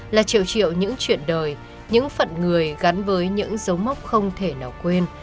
là triệu triệu những chuyện đời những phận người gắn với những dấu mốc không thể nào quên